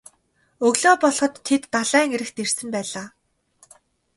Өглөө болоход тэд далайн эрэгт ирсэн байлаа.